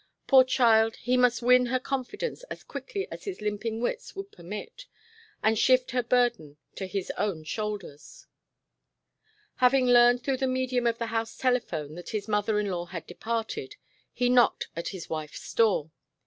Poor child, he must win her confidence as quickly as his limping wits would permit and shift her burden to his own shoulders. Having learned through the medium of the house telephone that his mother in law had departed, he knocked at his wife's door.